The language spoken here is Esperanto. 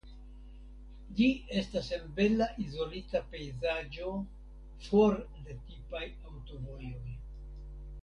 Ĝi estas en bela izolita pejzaĝo for de tipaj aŭtovojoj.